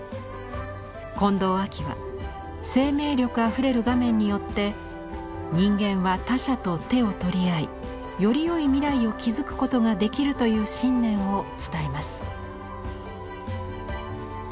近藤亜樹は生命力あふれる画面によって「人間は他者と手を取り合いより良い未来を築くことができる」という信念を伝えます。